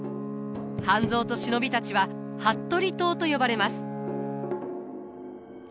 半蔵と忍びたちは服部党と呼ばれます。